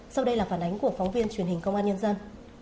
sau đây là phản ánh của phóng viên truyền hình công an nhân dân